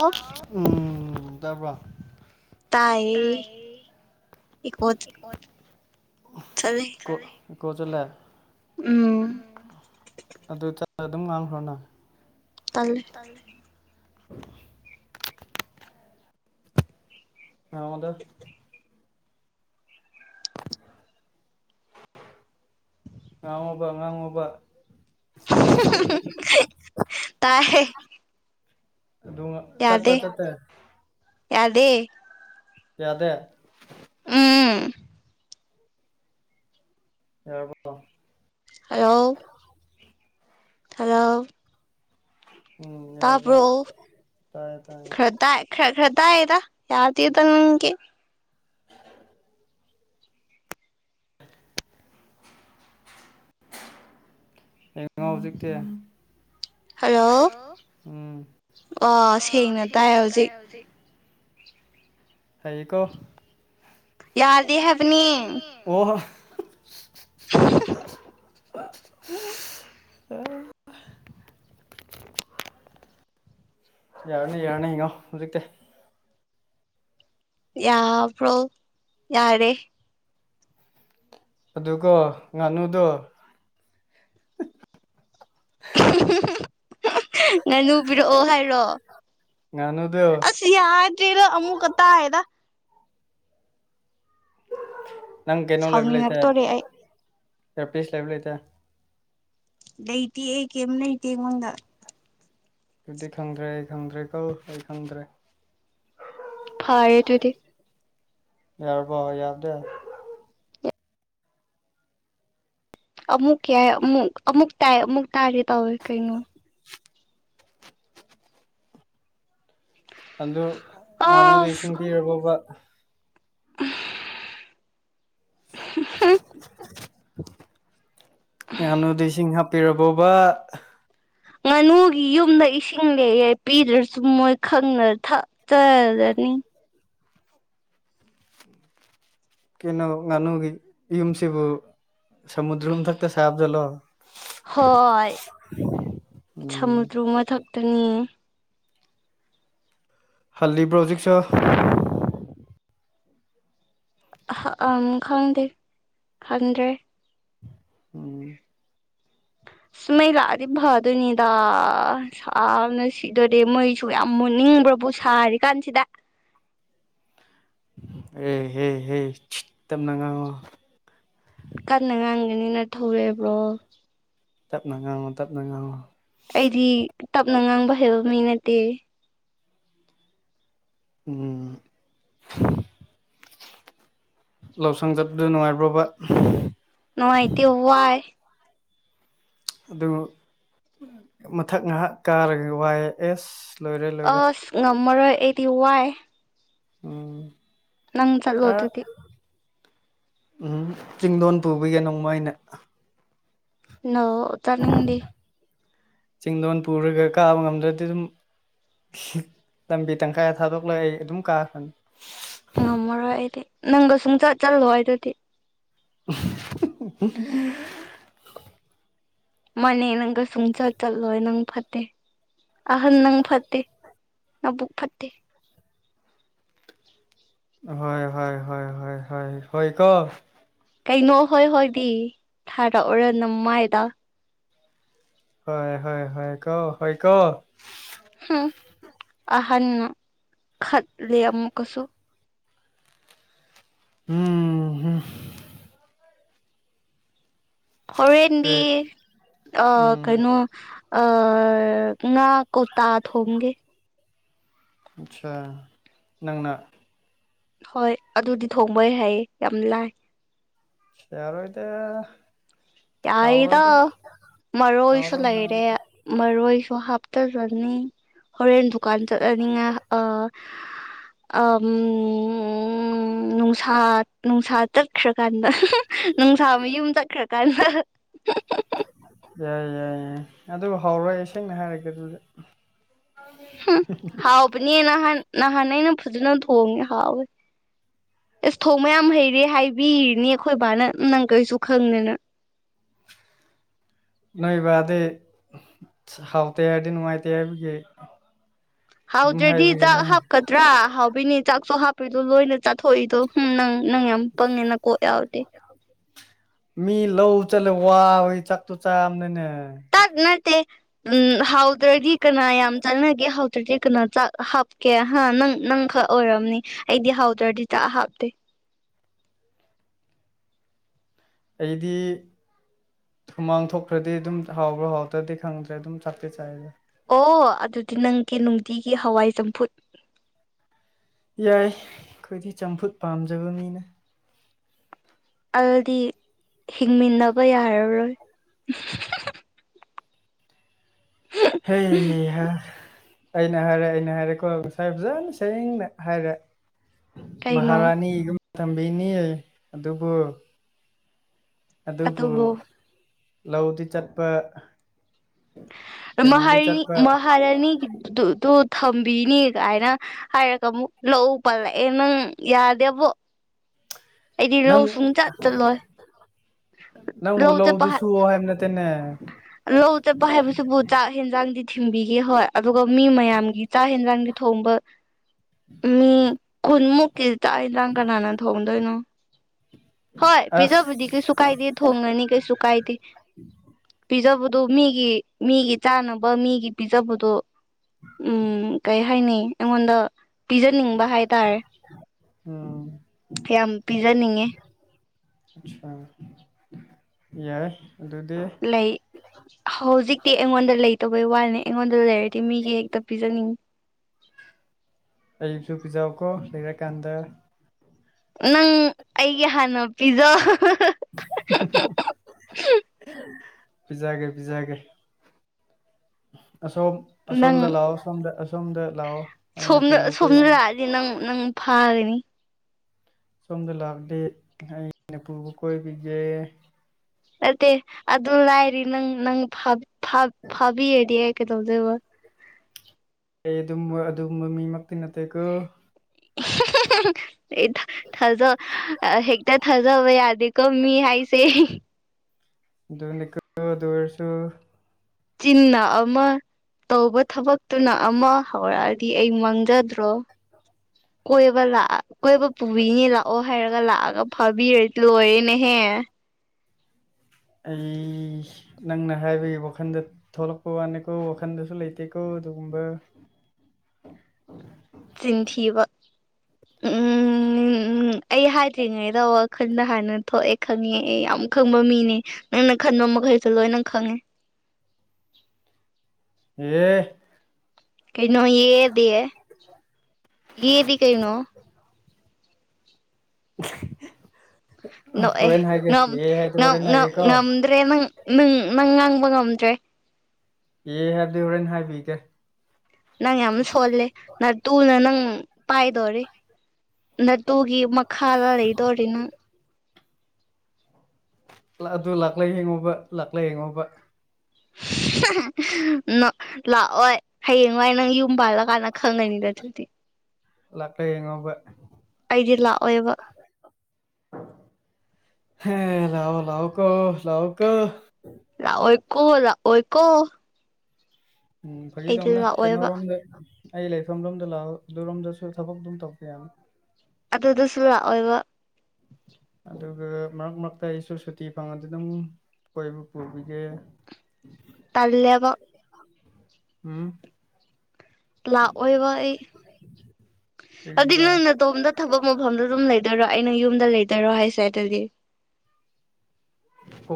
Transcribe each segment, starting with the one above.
Of ꯎꯝ ꯇꯥꯔꯕ꯭ꯔꯣ ꯇꯥꯆ ꯌ‌ꯦ ꯑꯣꯐ ꯆꯠꯂ‌ꯦ ꯣ ꯏꯀꯣ ꯆꯠꯂꯦ ꯎꯝ ꯑꯗꯨ ꯑꯗꯨꯝ ꯉꯥꯡꯈ꯭ꯔꯣꯅꯪ ꯑꯜꯦ [unintelligible] [inaudible] ꯍꯉꯗ ꯉꯥꯡꯉꯕ ꯉꯥꯡꯕ ꯇꯥꯏ ꯑꯗꯨꯉ ꯌꯥꯗꯦ ꯌꯥꯗꯦ ꯌꯥꯗꯦ ꯎꯝ ꯌꯥꯔꯕꯣ ꯍꯂꯣ ꯊꯥꯔꯣ ꯎꯝ ꯌꯎꯔꯕ ꯇꯥꯏꯌꯦ ꯇꯥꯏꯌꯦ ꯇ ꯈ ꯈ꯭ꯔꯗꯑꯗ ꯌꯥꯎꯗ ꯏꯗ ꯅꯪꯒꯤ ꯑ ꯑꯉꯣ ꯍꯧꯖꯤꯛꯇꯀꯤ ꯍꯜꯂꯣ ꯑꯣ ꯁꯦꯡꯅ ꯇꯥꯏ ꯍꯧꯖꯤꯛ ꯍ ꯀꯣ ꯌꯥ ꯍꯥꯏꯕꯅꯤ ꯑꯣ [unintelligible] [inaudible] ꯑ ꯌꯥꯔꯅꯤ ꯌꯥꯔꯅꯤ ꯏꯉꯣ ꯍꯧꯖꯤꯛꯇꯤ ꯌꯥꯕ꯭ꯔꯣ ꯌꯥꯔꯦ ꯑꯗꯨꯒ ꯉꯥꯅꯨꯗꯣ ꯉꯥꯅꯨ ꯄꯤꯔꯛꯑꯣ ꯍꯥꯏꯔꯣ ꯉꯥꯅꯨꯗꯣ ꯑꯁ ꯁꯤ ꯌꯥ ꯆꯔ ꯑꯃꯃꯨ ꯀꯠꯇ ꯍꯥꯏꯗ ꯅꯪ ꯀꯩꯅꯣ ꯂꯕ ꯂꯥꯏꯇ ꯁꯥꯎꯅꯤꯡꯉꯛꯇꯣꯔꯦ ꯑꯩ ꯔ ꯄꯁ ꯂ ꯂꯩꯕ ꯂꯥꯏꯇ ꯂꯩꯩꯇꯤ ꯑꯩ ꯀꯔꯝ ꯂꯩꯇꯦ ꯑꯩꯉꯣꯟꯗ ꯫ ꯑꯗꯨꯗꯤ ꯈꯪꯗ꯭ꯔꯦ ꯑꯩ ꯈꯪꯗ꯭ꯔꯦ ꯀꯣ ꯑꯩ ꯈꯪꯗ꯭ꯔꯦ ꯫ ꯐꯔꯦ ꯑꯗꯨꯗꯤ ꯌꯥꯔꯕꯣ ꯌꯥꯗꯦ ꯑꯃꯨꯛ ꯌꯥꯏ ꯑꯃꯨꯛ ꯑꯃꯨꯛ ꯇꯥꯏ ꯑꯃꯨꯛ ꯇꯥꯗꯦ ꯇꯧꯋꯦ ꯀꯩꯅꯣ ꯫ ꯑꯗꯨ ꯉꯥꯅꯨꯗ ꯑꯁ ꯏꯁꯤꯡꯕꯤꯔꯕꯣꯕ ꯫ [unintelligible] ꯉꯥꯅꯨꯗꯣ ꯏꯁꯤꯡ ꯍꯥꯞꯄꯤꯔꯕꯣꯕ ꯫ ꯉꯥꯅꯨꯒꯤ ꯌꯨꯝꯗ ꯏꯁꯤꯡ ꯂꯩꯑꯦ ꯄꯤꯗ꯭ꯔꯁꯨ ꯃꯣꯏ ꯈꯪꯅ ꯊꯛ ꯆꯥꯖꯅꯤ ꯀꯩꯅꯣ ꯉꯥꯅꯨꯒꯤ ꯌꯨꯝꯁꯤꯕꯨ ꯁꯃꯨꯗ꯭ꯔ ꯃꯊꯛꯇ ꯁꯥꯕꯖꯠꯂꯣ ꯫ ꯍꯣꯏ ꯎꯝ ꯁꯃꯨꯗ꯭ꯔ ꯃꯊꯛꯇꯅꯤ꯫ ꯍꯜꯂꯤꯕ꯭ꯔꯣ ꯍꯧꯖꯤꯛꯁꯨ꯫ ꯑꯝ ꯈꯪꯗꯦ ꯍꯟꯗ꯭ꯔꯦ ꯫ ꯎꯝ [inaudible] ꯃꯩ ꯂꯥꯛꯑꯗꯤ ꯐꯗꯣꯏꯅꯤꯗ ꯁꯥꯕꯅ ꯁꯤꯗꯣꯔꯦ ꯃꯩꯁꯨ ꯌꯥꯝ ꯃꯨꯠꯅꯤꯡꯕ꯭ꯔꯕꯨ ꯁꯥꯔꯤ ꯀꯥꯟꯁꯤꯗ ꯑꯦ ꯍꯦ ꯍꯦ ꯇꯞꯅꯉꯥꯡꯉꯣ ꯫ ꯀꯟꯅ ꯉꯥꯡꯒꯅꯤ ꯅꯊꯧ ꯂꯩꯕ꯭ꯔꯣ ꯫ ꯇꯞꯅ ꯉꯥꯡꯉꯨ ꯇꯞꯅ ꯉꯥꯡꯉꯣ꯫ ꯑꯩꯗꯤ ꯇꯞꯅ ꯉꯥꯡꯕ ꯍꯩꯕ ꯃꯤ ꯅꯠꯇꯦ ꯫ ꯎꯝ ꯂꯧꯁꯪ ꯆꯠꯄꯗ ꯅꯨꯡꯉꯥꯏꯕ꯭ꯔꯣꯕ ꯅꯨꯡꯉꯥꯏꯇ ꯋꯥꯏ ꯫ ꯑꯗꯨ ꯃꯊꯛ ꯉꯥꯏꯍꯥꯛ ꯀꯥꯔꯒ ꯋꯥꯏ ꯑꯦꯁ ꯂꯣꯏꯔꯦ ꯂꯣꯏꯔꯦ ꯑꯁ ꯉꯝꯃꯔꯣꯏ ꯑꯩꯗꯤ ꯋꯥꯏ ꯫ ꯎꯝ ꯅꯪ ꯆꯠꯂꯣ ꯑꯥ ꯑꯗꯨꯗꯤ ꯎꯝ ꯆꯤꯡꯗꯣꯟ ꯄꯨꯕꯒꯤ ꯅꯣꯡꯃ ꯑꯩꯅ ꯅꯣ ꯆꯠꯅꯤꯡꯗꯦ ꯫ ꯆꯤꯡꯗꯣꯟ ꯄꯨꯔꯒ ꯀꯥꯕ ꯉꯝꯗ꯭ꯔꯗꯤ ꯑꯗꯨꯝ ꯂꯝꯕꯤ ꯇꯪꯈꯥꯏꯗ ꯊꯥꯗꯣꯛꯂ ꯑꯩ ꯑꯗꯨꯝ ꯀꯥꯈꯅꯤ ꯫ ꯉꯝꯃꯔꯣꯏ ꯑꯩꯗꯤ ꯅꯪꯒ ꯁꯨꯡ ꯆꯠ ꯆꯜꯂꯣꯏ ꯑꯗꯨꯗꯤ ꯫ [unintelligible] ꯃꯅꯦ ꯅꯪꯒ ꯁꯨꯡꯆꯠ ꯆꯠꯂꯣꯏ ꯅꯪ ꯐꯠꯇꯦ ꯑꯍꯟ ꯅꯪ ꯐꯠꯇꯦ ꯅꯕꯨꯛ ꯐꯠꯇꯦ ꯫ ꯍꯣꯏ ꯍꯣꯏ ꯍꯣꯏ ꯍꯣꯏ ꯍꯣꯏ ꯍꯣꯏ ꯀꯣ ꯀꯩꯅꯣ ꯍꯣꯏ ꯍꯣꯏꯗꯤ ꯊꯥꯔꯛꯎꯔ ꯅꯃꯥꯏꯗ ꯫ ꯍꯣꯏ ꯍꯣꯏ ꯍꯣꯏ ꯀꯣ ꯍꯣꯏ ꯀꯣ ꯍꯝ ꯑꯍꯟ ꯈꯠꯜꯂꯤ ꯑꯃꯨꯛꯀꯁꯨ ꯎꯝ ꯎꯝꯍꯝ ꯍꯣꯔꯦꯟꯗꯤ ꯀꯔꯤ ꯑꯥ ꯎꯝ ꯀꯩꯅꯣ ꯑꯥ ꯉꯥ ꯀꯣꯛꯇꯥ ꯍꯣꯡꯒꯦ ꯫ ꯑꯠꯆꯥ ꯅꯪꯅ ꯍꯣꯏ ꯑꯗꯨꯗꯤ ꯊꯣꯡꯕ ꯑꯩ ꯍꯩꯌꯦ ꯌꯥꯝ ꯂꯥꯏ꯫ ꯌꯥꯔꯣꯏꯗ ꯌꯥꯏꯗ ꯍꯥꯎꯔꯣꯏꯗ ꯃꯔꯣꯏꯁꯨ ꯍꯥꯎꯔꯣꯏ ꯂꯩꯔꯦ ꯍꯥꯎꯔꯣꯏ ꯫ ꯃꯔꯣꯏꯁꯨ ꯍꯥꯞꯇꯔꯅꯤ ꯍꯣꯔꯦꯟ ꯗꯨꯀꯥꯟ ꯆꯠꯂꯅꯤ ꯉꯥ ꯑꯥ [unintelligible] ꯎ ꯅꯨꯡꯁꯥ ꯅꯨꯡꯁꯥ ꯆꯠꯈ꯭ꯔꯀꯥꯟꯗ ꯅꯨꯡꯁꯥꯕ ꯌꯨꯝ ꯆꯠꯈ꯭ꯔ ꯀꯥꯟꯗ ꯌꯥꯏ ꯌꯥꯏ ꯌꯥꯏ ꯑꯗꯨꯕꯨ ꯍꯧꯔꯣꯏ ꯏꯁꯦꯡꯅ ꯍꯥꯏꯔꯒꯦ ꯑꯗꯨꯗꯤ ꯍꯤ ꯍꯤ ꯕꯅꯤ ꯅꯍꯥꯟ ꯅꯍꯥꯟ ꯑꯩꯅ ꯐꯖꯅ ꯊꯣꯡꯉꯦ ꯍꯥꯎꯋꯦ ꯑꯁ ꯊꯣꯡ ꯃꯌꯥꯝ ꯍꯩꯔꯦ ꯍꯥꯏꯕꯤꯔꯤꯅꯤ ꯑꯩꯈꯣꯏ ꯕꯥꯅ ꯅꯪ ꯀꯩꯁꯨ ꯈꯪꯗꯦꯅ ꯅꯕꯗ ꯍꯥꯎ ꯇ ꯍꯥꯏ ꯅꯨꯅꯨꯡꯉꯥꯏꯇ ꯍꯥꯏꯕꯒꯤ ꯑꯗꯨꯝ ꯍꯥꯎꯗ꯭ꯔꯗꯤ ꯆꯥꯛ ꯍꯥꯏꯕꯒꯤꯅꯦ ꯍꯥꯞꯀꯗ꯭ꯔꯥ ꯍꯥꯎꯕꯤꯅꯤ ꯆꯥꯛꯁꯨ ꯍꯥꯞꯄꯗꯣ ꯂꯣꯏꯅ ꯆꯥꯊꯣꯛꯏꯗꯣ ꯅꯪ ꯅꯪ ꯌꯥꯝ ꯄꯪꯉꯦꯅ ꯀꯣꯛ ꯌꯥꯎꯗꯤ ꯃꯤ ꯂꯧ ꯆꯠꯂꯦ ꯋꯥꯕꯦ ꯆꯥꯛꯠꯇꯨ ꯆꯥꯝꯅꯅꯦ ꯇ ꯅꯠꯇꯦ ꯎꯝ ꯍꯥꯎꯗ꯭ꯔꯗꯤ ꯀꯅꯥ ꯌꯥꯝ ꯆꯥꯟꯅꯒꯦ ꯍꯥꯎꯗ꯭ꯔꯗꯤ ꯀꯅꯥ ꯍꯥꯞꯀꯦ ꯍꯥ ꯅꯪ ꯅꯪ ꯈꯛ ꯑꯣꯏꯔꯝꯅꯤ ꯑꯩꯗꯤ ꯍꯥꯎꯗ꯭ꯔꯗꯤ ꯆꯥꯛ ꯍꯥꯞꯇꯦ ꯑꯩꯗꯤ ꯍꯨꯃꯥꯡ ꯊꯣꯛꯈ꯭ꯔꯗꯤ ꯑꯗꯨꯝ ꯍꯥꯎꯕ꯭ꯔꯥ ꯍꯥꯎꯗ꯭ꯔꯗꯤ ꯈꯪꯗ꯭ꯔꯦ ꯑꯗꯨꯝ ꯊꯥꯛꯄꯤꯤ ꯆꯥꯏꯔꯤꯁꯦ ꯑꯣ ꯑꯗꯨꯗꯤ ꯅꯪꯒꯤ ꯅꯨꯡꯇꯤꯒꯤ ꯍꯋꯥꯏ ꯆꯝꯐꯨꯠ ꯌꯥꯏ ꯑꯩꯈꯣꯏꯗꯤ ꯆꯝꯐꯨꯠ ꯄꯥꯝꯖꯕ ꯃꯤꯅ ꯑꯗꯨꯗꯤ ꯍꯤꯡꯃꯤꯟꯅꯕ ꯌꯥꯔꯔꯣꯏ ꯍꯥ ꯍꯩ ꯍꯥ ꯑꯩꯅ ꯍꯥꯏꯔꯦ ꯑꯩꯅ ꯍꯥꯏꯔꯦꯀꯣ ꯉꯁꯥꯏ ꯐꯖꯅ ꯁꯦꯡꯅ ꯍꯥꯏꯔꯦ ꯀꯩꯅꯣ ꯃꯍꯥꯔꯥꯅꯤꯒꯨꯝꯕ ꯊꯝꯕꯤꯅꯤ ꯑꯗꯨꯕꯨ ꯑꯗꯨꯕꯨ ꯂꯧꯗꯤ ꯆꯠꯄ ꯀꯩꯅꯣꯗꯤ ꯃꯍꯥꯔꯅꯤ ꯆꯠꯄ ꯃꯍꯥꯔꯥꯅꯤ ꯑꯗꯨꯨ ꯊꯝꯕꯤꯅꯤ ꯀꯥꯏꯅ ꯍꯥꯏꯔꯒ ꯑꯃꯨꯛ ꯂꯧꯎ ꯄꯜꯂꯛꯑꯦ ꯅꯪ ꯌꯥꯗꯦꯕꯣ [inaudible] ꯂꯧ ꯅꯪ ꯁꯨꯡ ꯆꯠ ꯆꯠꯂꯣꯏ ꯅꯪꯕꯨ ꯂꯧ ꯂꯧꯗꯨ ꯆꯠꯄ ꯁꯨ ꯍꯥꯏꯕ ꯅꯠꯇꯦꯅꯦ ꯂꯧ ꯆꯦ ꯄꯍꯤꯦꯕꯨꯁꯨꯕꯨ ꯆ ꯆꯥꯛ ꯌꯦꯟꯖꯥꯡꯗꯤ ꯊꯤꯡꯕꯤꯒꯦ ꯍꯣꯏ ꯑꯗꯨꯒ ꯃꯤ ꯃꯌꯥꯝꯒꯤ ꯆꯥꯛ ꯌꯦꯟꯖꯥꯡꯗꯤ ꯊꯣꯡꯕ ꯃꯤ ꯈꯨꯨꯟꯃꯨ ꯀꯦꯖꯤ ꯇꯥꯛꯏ ꯂꯥꯡ ꯀꯅꯥꯅ ꯊꯣꯡꯗꯣꯏꯅꯣ ꯍꯣꯏ ꯑꯁ ꯄꯤꯖꯕꯨꯗꯤ ꯀꯩꯁꯨ ꯀꯥꯏꯗꯤ ꯊꯣꯡꯒꯅꯤ ꯀꯩꯁꯨ ꯀꯥꯏꯗꯤ ꯄꯤꯖꯕꯗꯨꯣ ꯃꯤꯒꯤ ꯃꯤꯒꯤ ꯆꯥꯅꯕ ꯃꯤꯒꯤ ꯄꯤꯖꯕꯗꯣ ꯎꯝ ꯀꯩ ꯍꯥꯏꯅꯤ ꯑꯩꯉꯣꯟꯗ ꯄꯤꯖꯅꯤꯡꯕ ꯍꯥꯏꯇꯥꯔꯦ ꯎꯝ ꯌꯥꯝ ꯄꯤꯖꯅꯤꯡꯉꯤ ꯑꯥ ꯌꯥꯏ ꯑꯗꯨꯗꯤ ꯂꯩ ꯍꯧꯖꯤꯛꯇꯤ ꯑꯩꯉꯣꯟꯗ ꯂꯩꯇꯕꯩ ꯋꯥꯅꯤ ꯑꯩꯉꯣꯟꯗ ꯂꯩꯔꯗꯤ ꯃꯤꯒꯤ ꯍꯦꯛꯇ ꯄꯤꯖꯅꯤꯡ ꯑꯩꯁꯨ ꯄꯤꯖꯥꯎꯀꯣ ꯂꯩꯔꯀꯥꯟꯗ ꯅꯪ ꯑꯩꯒꯤ ꯍꯥꯟꯅ ꯄꯤꯖ ꯄꯤꯖꯥꯒꯦ ꯄꯤꯖꯥꯒꯦ ꯑꯁꯣ ꯑꯁꯣꯝꯗ ꯅꯪ ꯂꯥꯛꯑꯣ ꯁꯣꯝꯗ ꯑꯁꯣꯝꯗ ꯂꯥꯛꯑꯣ ꯑꯩꯅ ꯄꯨꯕ ꯀ ꯐꯥꯔꯤꯅꯤ ꯁꯣꯝꯗ ꯂꯥꯛꯗꯤ ꯑꯩ ꯅꯨꯄꯨꯕꯨ ꯀꯣꯏꯕꯤꯒꯦ ꯅꯠꯇꯦ ꯑꯗꯨ ꯂꯥꯏꯔꯤ ꯅꯪ ꯅꯪ ꯐꯥꯕꯤꯌꯦꯗꯤ ꯑꯩ ꯀꯩꯗꯧꯗꯣꯏꯕ ꯑꯩ ꯑꯗꯨ ꯑꯗꯨꯝꯕ ꯃꯤꯃꯛꯇꯤ ꯅꯠꯇꯦꯀꯣ ꯊꯥꯖ ꯍꯦꯛꯇ ꯊꯥꯖꯕ ꯌꯥꯗꯦ ꯀꯃꯤ ꯍꯥꯏꯁꯦ ꯅꯤꯀ ꯔꯁꯨ ꯆꯤꯅ ꯑꯃꯃ ꯇꯧꯕ ꯊꯕꯛꯇꯨꯅ ꯑꯃ ꯍꯧꯔꯛꯑꯗꯤ ꯑꯩ ꯃꯥꯡꯖꯗ꯭ꯔꯣ ꯀꯣꯏꯕ ꯂꯥꯛꯑ ꯀꯣꯏꯕ ꯄꯨꯕꯤꯅꯤ ꯂꯥꯛꯑꯣ ꯍꯥꯏꯔꯒ ꯂꯥꯛꯑꯒ ꯐꯥꯕꯤꯔ ꯂꯣꯏꯔꯦꯅꯦꯍꯦ ꯎꯝ ꯅꯪꯅ ꯍꯥꯏꯕꯒꯤ ꯋꯥꯈꯟꯗ ꯊꯣꯛꯂꯛꯄ ꯋꯥꯅꯤꯀꯣ ꯋꯥꯈꯟꯗꯁꯨ ꯂꯩꯇꯦꯀꯣ ꯑꯗꯨꯒꯨꯝꯕ ꯆꯟꯊꯕ ꯎꯝ ꯎꯝ ꯎꯝ ꯑꯩ ꯍꯥꯏꯗ꯭ꯔꯤꯉꯩꯗ ꯋꯥꯈꯜꯗ ꯍꯥꯟꯅ ꯊꯣꯛꯑꯦ ꯈꯪꯉꯦ ꯑꯩ ꯌꯥꯝ ꯈꯪꯕ ꯃꯤꯅꯦ ꯅꯪꯅ ꯈꯟꯕ ꯃꯈꯩꯁꯨ ꯂꯣꯏꯅ ꯈꯪꯉꯦ ꯎꯝ ꯀꯩꯅꯣ ꯌꯦꯗꯤ ꯌꯦꯗꯤ ꯀꯩꯅꯣ ꯅꯣꯛꯑꯦ ꯍꯣꯔꯦꯟꯦꯟ ꯍꯥꯏꯒꯦ ꯑꯦ ꯍꯥꯏꯗꯨ ꯍꯣꯔꯦꯟꯦꯟ ꯍꯥꯏꯒꯦꯀꯣ ꯐꯔꯦ ꯅꯪ ꯅꯪ ꯉꯥꯡꯕ ꯉꯝꯗ꯭ꯔꯦ ꯑꯦ ꯍꯥꯏꯕꯗꯤ ꯍꯣꯔꯦꯟ ꯍꯥꯏꯕꯤꯒꯦ ꯅꯪ ꯌꯥꯝ ꯁꯣꯜꯂꯦ ꯇꯨꯅ ꯅꯪ ꯄꯥꯏꯗꯣꯔꯤ ꯠꯇꯨꯒꯤ ꯃ ꯈꯥ ꯂꯩꯗꯧꯔꯤꯅ ꯑꯗꯨ ꯂꯥꯛꯂ ꯍꯡꯉꯨꯕ ꯂꯥꯛꯂ ꯍꯡꯉꯣꯕ ꯂꯥꯛꯑꯣꯏ ꯍꯌꯦꯡꯋꯥꯏ ꯅꯪ ꯌꯨꯝ ꯄꯥꯜꯂꯛ ꯀꯥꯟꯅ ꯈꯪꯅꯅꯤꯗ ꯑꯗꯨꯗꯤ ꯂꯥꯛꯂ ꯌꯦꯡꯉꯕ ꯑꯩꯗꯤ ꯂꯥꯛꯑꯣꯏꯕ ꯍꯦ ꯂꯑꯣ ꯂꯑꯣ ꯀꯣ ꯂꯑꯣ ꯀ ꯂꯥꯛꯑꯣꯏ ꯀꯣ ꯂꯥꯛꯑꯣꯏ ꯀꯣ ꯎꯝ ꯐꯥꯩ ꯇꯧꯅꯦ ꯂꯥꯛꯑꯣꯏꯕ ꯀꯩꯅꯣꯔꯗ ꯑꯩ ꯂꯩꯐꯝ ꯔꯣꯝꯗ ꯂꯥꯛꯑꯣ ꯑꯗꯨꯔꯣꯝꯗꯁꯨ ꯊꯕꯛꯛꯇ ꯑꯗꯨꯝ ꯇꯧꯕ ꯌꯥꯅꯤ ꯑꯗꯨꯗꯁꯨ ꯂꯥꯛꯑꯣꯏꯕ ꯑꯗꯨꯒ ꯃꯔꯛ ꯃꯔꯛꯇ ꯑꯩꯁꯨ ꯁꯨꯇꯤ ꯐꯪꯉꯗꯤ ꯑꯗꯨꯝ ꯀꯣꯏꯕꯨ ꯄꯨꯕꯤꯒꯦ [inaudible] ꯎꯝ ꯂꯥꯛꯑꯣꯏꯕ ꯑꯩ ꯑꯗꯨꯗꯤ ꯀꯒꯔꯥ ꯅꯪ ꯅꯇꯣꯝꯗ ꯊꯕꯛ ꯃꯐꯝꯗ ꯑꯗꯨꯝ ꯂꯩꯗꯣꯏꯔꯣ ꯑꯩꯅ ꯌꯨꯝꯗ ꯂꯩꯗꯣꯏꯔꯣ ꯍꯥꯏꯁꯦ ꯑꯗꯨꯗꯤ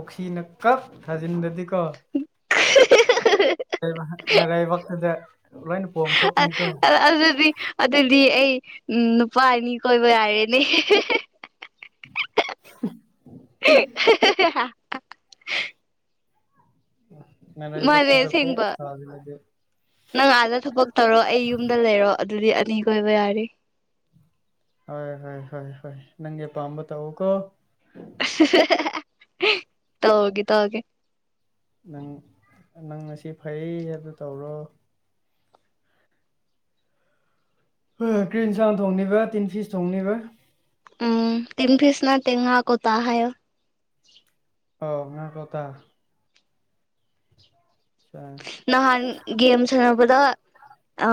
ꯀꯁꯤꯅ ꯀ ꯊꯖꯤꯟꯗꯗꯤ ꯀ [unintelligible] ꯂꯩꯅꯅꯥꯔꯕꯈꯜꯗ ꯂꯣꯏꯅ ꯄꯣꯝꯊꯣꯛꯅꯤꯀꯣ ꯑ ꯑꯗꯨꯗꯤ ꯑꯗꯨꯗꯤ ꯑꯩ ꯎꯝ ꯅꯨꯄꯥ ꯑꯅꯤ ꯀꯣꯏꯕ ꯌꯥꯔꯦꯅꯦ [unintelligible] ꯋꯥ ꯃꯥꯂꯦ ꯑꯁꯦꯡꯕ ꯅꯪ ꯑꯥꯗ ꯊꯕꯛ ꯇꯧꯔꯣ ꯑꯩ ꯌꯨꯝꯗ ꯂꯩꯔꯣ ꯑꯗꯨꯗꯤ ꯑꯅꯤ ꯀꯣꯏꯕ ꯌꯥꯔꯦ ꯍꯣꯏ ꯍꯣꯏ ꯍꯣꯏ ꯍꯣꯏ ꯅꯪꯒꯤ ꯄꯥꯝꯕ ꯇꯧꯋ ꯀꯣ ꯇꯒꯦ ꯇꯧꯒꯦ ꯅꯪ ꯅꯪ ꯉꯁꯤ ꯐꯩ ꯍꯥꯏꯕꯗꯨ ꯇꯧꯔꯣ ꯍꯣꯏ ꯍꯣꯏ ꯭ꯔꯤ ꯆꯥꯎꯟ ꯊꯣꯡꯅꯤꯕ ꯇꯤꯟ ꯐꯤꯁ ꯊꯣꯡꯅꯤꯕ ꯎꯝ ꯇꯤꯟ ꯐꯤꯁꯅ ꯇꯦꯡꯉꯥꯀꯣ ꯇ ꯍꯥꯏ ꯑ ꯉ ꯀꯗ ꯑ ꯅꯍꯥꯟ ꯒꯦꯝ ꯁꯥꯟꯅꯕꯗ ꯎ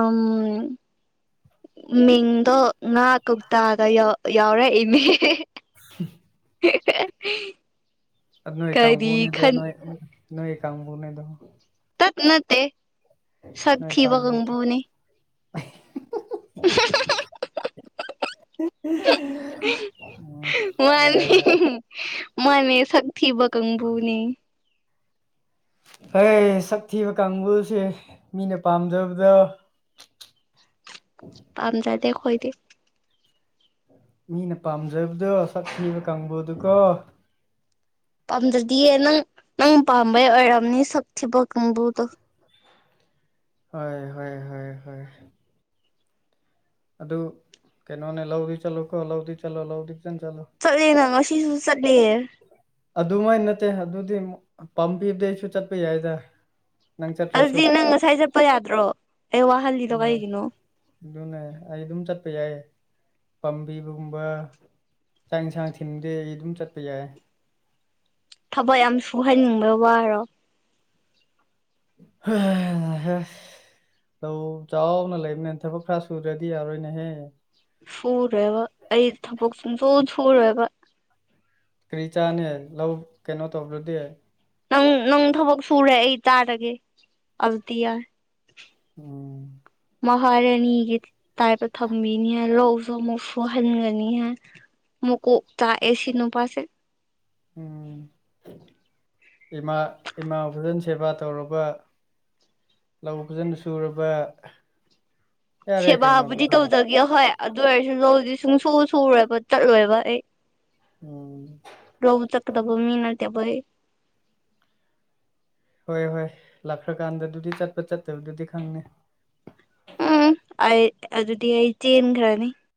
ꯃꯤꯡꯗꯣ ꯉꯥ ꯀꯧꯇꯥꯗ ꯌꯥꯎꯔꯛꯏꯅꯦ ꯁꯤ [unintelligible] ꯅꯣꯏ ꯀꯔꯤ ꯀꯥꯡꯕꯨꯅꯦꯗ ꯈꯟ ꯅꯣꯏ ꯅꯣꯏ ꯀ ꯀꯥꯡꯕꯨꯅꯦꯗ ꯇꯠꯅ ꯇ ꯁ ꯅꯣꯏ ꯀꯥꯡꯕꯨ ꯊꯤꯕꯒꯪꯕꯨꯅꯤ [unintelligible] ꯃꯥꯅꯤ ꯃꯥꯅꯤ ꯁ ꯊꯤꯕ ꯀꯥꯡꯕꯨꯅꯤ ꯑꯩ ꯁꯛ ꯊꯤꯕ ꯀꯥꯡꯕꯨꯁꯦ ꯃꯤꯅ ꯄꯥꯝꯖꯕꯗ ꯇꯥꯟꯖꯗꯦ ꯈꯣꯏꯗꯤ ꯃꯤꯅ ꯄꯥꯝꯖꯕꯗꯣ ꯁꯛꯈꯤꯕ ꯀꯥꯡꯕꯨꯗꯨꯀꯣ ꯄꯥꯝꯗ꯭ꯔꯗꯤꯌꯦ ꯅꯪ ꯅꯪ ꯄꯥꯝꯕꯩ ꯑꯣꯏꯔꯝꯅꯤ ꯁꯛ ꯊꯤꯕ ꯀꯥꯡꯕꯨꯗꯣ ꯍ ꯍ ꯍ ꯍ ꯍꯣꯏ ꯑꯗꯨ ꯀꯩꯅꯣꯅꯦ ꯂꯧꯗꯤ ꯆꯠꯂꯣ ꯀꯣ ꯂꯧꯗꯤ ꯆꯠꯂꯣ ꯂꯧꯗꯤ ꯈꯤꯇꯪ ꯆꯠꯂꯣ ꯆꯠꯂꯦꯅꯪꯉ ꯁꯤꯁꯨ ꯆꯠꯂꯦ ꯑꯗꯨꯃꯥꯏꯅ ꯅꯠꯇꯦ ꯑꯗꯨꯗꯤ ꯄꯥꯝꯕꯤꯕꯗꯩ ꯑꯩꯁꯨ ꯆꯠꯄ ꯌꯥꯏꯗ ꯅꯪ ꯆꯠꯇ꯭ꯔꯁꯨ ꯑꯗꯨꯗꯤ ꯅꯪ ꯉꯁꯥꯏ ꯆꯠꯄ ꯌꯥꯗ꯭ꯔꯣ ꯑꯩ ꯋꯥ ꯎ ꯑꯗꯨꯅꯦ ꯑꯩ ꯑꯗꯨꯝ ꯆꯠꯄ ꯌꯥꯏꯌꯦ ꯄꯥꯝꯕꯤꯕꯒꯨꯝꯕ ꯆꯥꯛ ꯌꯦꯟꯁꯥꯡ ꯊꯤꯟꯗꯤ ꯑꯩ ꯑꯗꯨꯝ ꯆꯠꯄ ꯌꯥꯏ ꯊꯕꯛ ꯌꯥꯝ ꯁꯨꯍꯩꯅꯤꯡꯕ ꯋꯥꯔꯣ ꯍ ꯍ ꯂꯧ ꯆꯥꯎꯅ ꯂꯩꯕꯅꯦ ꯊꯕꯛ ꯈꯔ ꯁꯨ꯭ꯔꯗꯤ ꯌꯥꯔꯣꯏꯅꯦꯍꯦ ꯁꯨꯔꯦꯕ ꯑꯩ ꯊꯕꯛ ꯁ ꯁ ꯁꯨꯔꯦꯕ ꯀꯔꯤ ꯆꯥꯅꯦ ꯂꯧ ꯀꯩꯅꯣ ꯇꯧꯕ꯭ꯔꯗꯤ ꯅꯪ ꯅꯪ ꯊꯕꯛ ꯁꯨꯔꯦ ꯑꯩ ꯇꯥꯔꯒꯦ ꯑꯗꯨꯗꯤ ꯌꯥꯏ ꯎꯝ ꯃꯍꯥꯔꯥꯅꯤꯒꯤ ꯇꯥꯏꯞꯇ ꯊꯝꯕꯤꯅꯤ ꯍꯥꯏ ꯂꯧꯁꯨ ꯑꯃꯨꯛ ꯁꯨꯍꯟꯒꯅꯤ ꯍꯥꯏ ꯃꯨꯀꯨ ꯇꯥ ꯑꯦꯁꯤ ꯅ ꯄꯁ ꯏꯃꯥ ꯏꯃꯥꯕꯨꯖꯟ ꯁꯦꯕꯥ ꯇꯧꯔꯕ ꯂꯧ ꯐꯖꯅ ꯁꯨꯔꯕ ꯌꯥꯔꯦ ꯀꯩꯅꯣ ꯁꯦꯕꯥꯕꯨꯗꯤ ꯑꯗꯨꯗꯤ ꯇꯧꯗꯒꯦ ꯍꯣꯏ ꯑꯗꯨ ꯑꯣꯏꯔꯁꯨ ꯂꯧꯗꯤ ꯁꯨꯡ ꯁ ꯁꯨꯔꯣꯏꯕ ꯆꯠꯂꯣꯏꯕ ꯑꯩ ꯎꯝ ꯔꯍ ꯆꯀꯗꯕꯨ ꯃꯤꯅꯔꯇꯕꯩ ꯍꯣꯏ ꯍꯣꯏ ꯂꯥꯛꯈ꯭ꯔꯀꯥꯟꯗꯗꯨꯗꯤ ꯆꯠꯄ ꯆꯠꯇꯕꯗꯨꯗꯤ ꯈꯪꯅꯤꯦ ꯎ ꯑꯩ ꯑꯗꯨꯗꯤ ꯑꯩ ꯆꯦꯟꯈ꯭ꯔꯅꯤ